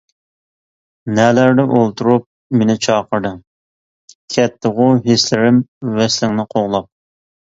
نەلەردە ئولتۇرۇپ مېنى چاقىردىڭ؟ كەتتىغۇ ھېسلىرىم ۋەسلىڭنى قوغلاپ.